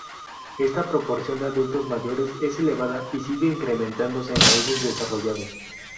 Esta proporción de adultos mayores es elevada y sigue incrementándose en países desarrollados.